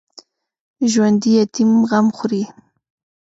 ژوندي د یتیم غم خوري